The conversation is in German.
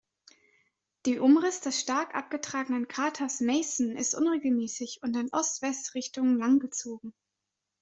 Die Umriss des stark abgetragenen Kraters "Mason" ist unregelmäßig und in Ost-West-Richtung langgezogen.